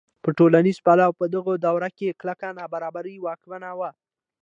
په ټولنیز پلوه په دغه دوره کې کلکه نابرابري واکمنه وه.